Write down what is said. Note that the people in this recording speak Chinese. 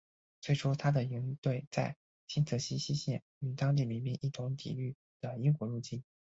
最初他的营队在新泽西西线与当地民兵一同抵御的英国入侵。